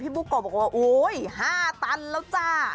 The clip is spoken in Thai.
พี่บุโกบอกว่าอู๊ยห้าตันแล้วจ้า